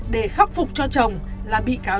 để khắc phục cho chồng là bị cáo